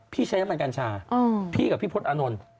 พี่ใช้น้ำมันการชาพี่กับพี่พลดอานนท์